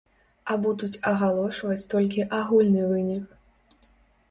А будуць агалошваць толькі агульны вынік.